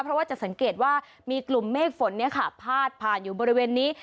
เพราะว่าจะสังเกตว่ามีกลุ่มเมฆฝนพาดผ่านอยู่บริเวณนี้